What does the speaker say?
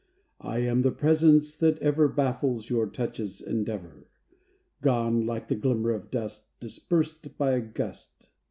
I am the presence that ever Baffles your touch's endeavor, Gone like the glimmer of dust Dispersed by a gust.